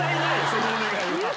そのお願い。